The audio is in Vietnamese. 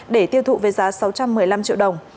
để tiêu thụ với giá sáu trăm một mươi năm triệu đồng